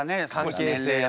関係性が。